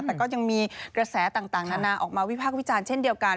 แต่ก็ยังมีกระแสต่างนานาออกมาวิพากษ์วิจารณ์เช่นเดียวกัน